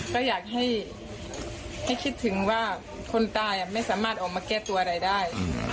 ก็อยากให้คิดถึงว่าคนตายไม่สามารถออกมาแก้ตัวอะไรได้